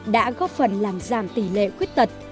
đã góp phần làm giảm tỷ lệ khuyết tật